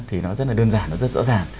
thì nó rất đơn giản rất rõ ràng